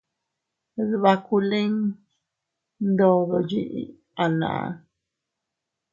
Dbakuliin ndodo yiʼi a naan.